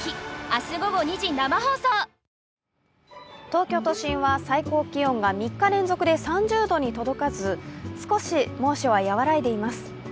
東京都心は最高気温が３日連続で３０度に届かず、少し猛暑は和らいでいます。